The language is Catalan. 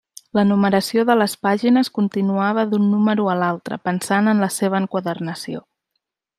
La numeració de les pàgines continuava d’un número a l’altre, pensant en la seva enquadernació.